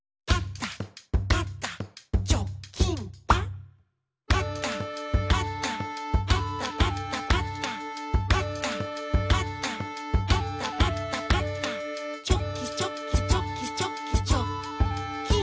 「パタパタパタパタパタ」「パタパタパタパタパタ」「チョキチョキチョキチョキチョッキン！」